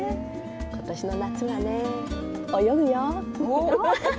ことしの夏はね、泳ぐよ。